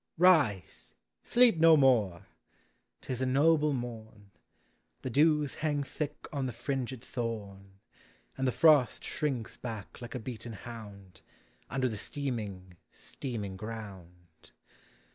Rise ! Sleep no more ! 'T is a noble morn. The dews hang thick on the fringed thorn. And the frost shrinks back like a beaten hound, Under the steaming, steaming ground.